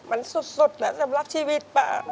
มันสุดแล้วสำหรับชีวิตป้า